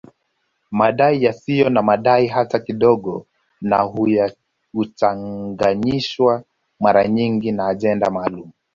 Madai yasiyo na madai hata kidogo na huchanganyishwa mara nyingi na ajenda maalum